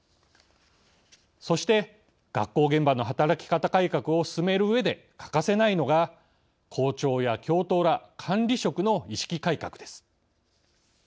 そして学校現場の働き方改革を進めるうえで欠かせないのが校長や教頭ら管理職の意識改革です。